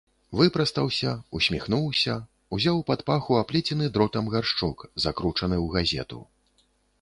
Выпрастаўся, усміхнуўся, узяў пад паху аплецены дротам гаршчок, закручаны ў газету.